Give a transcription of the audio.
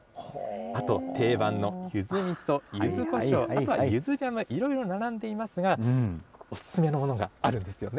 あと定番のゆずみそ、ゆずこしょう、あとはゆずジャム、いろいろ並んでいますが、お勧めのものがあるんですよね。